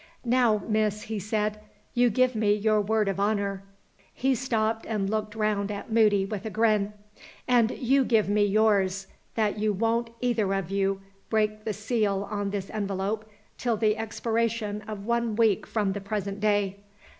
"Now, miss," he said, "you give me your word of honor," he stopped and looked round at Moody with a grin "and you give me yours, that you won't either of you break the seal on this envelope till the expiration of one week from the present day.